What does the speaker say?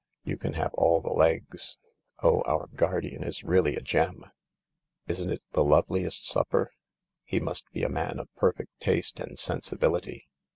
You can have all the legs. Oh, our guardian is really a gem. Isn't it the loveliest supper ? He must be a man of per fect taste and sensibility.